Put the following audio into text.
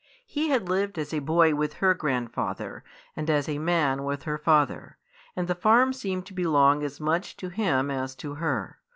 He had lived as a boy with her grandfather, and as a man with her father, and the farm seemed to belong as much to him as to her.